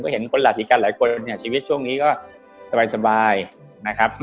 เห็นคนราศีกันหลายคนเนี่ยชีวิตช่วงนี้ก็สบายนะครับ